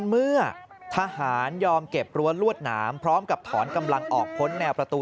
เมื่อทหารยอมเก็บรั้วลวดหนามพร้อมกับถอนกำลังออกพ้นแนวประตู